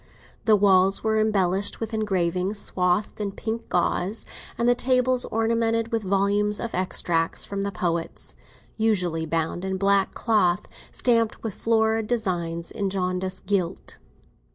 The walls were embellished with engravings swathed in pink gauze, and the tables ornamented with volumes of extracts from the poets, usually bound in black cloth stamped with florid designs in jaundiced gilt.